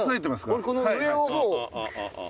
俺この上をもう。